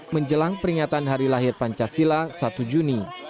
menjelang peringatan hari lahir pancasila satu juni